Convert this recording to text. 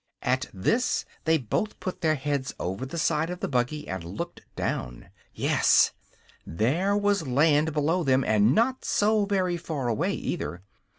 At this they both put their heads over the side of the buggy and looked down. Yes; there was land below them; and not so very far away, either.